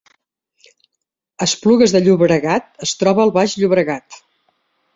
Esplugues de Llobregat es troba al Baix Llobregat